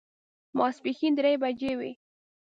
ماسپښین درې بجې وې.